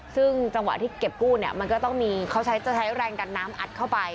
ซึ่งจังหวะที่เก็บกู้เนี่ยมันก็ต้องมีเขาใช้จะใช้แรงดันน้ำอัดเข้าไป